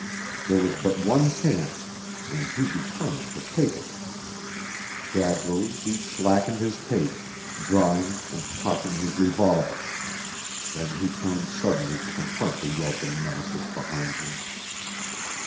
There was but one chance, and he determined to take it. Gradually he slackened his pace, drawing and cocking his revolver; then he turned suddenly to confront the yelping Nemesis behind him.